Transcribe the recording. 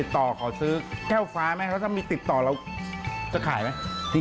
ถ้ามีติดต่อเราจะขายไหม